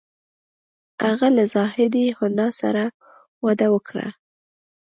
هغه له زاهدې حنا سره واده وکړ